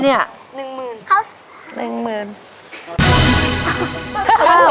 เท่าไหร่